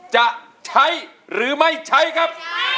จะใช้หรือไม่ใช้ครับ